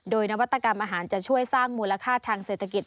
โดยนวัตกรรมอาหารจะช่วยสร้างมูลค่าทางเศรษฐกิจ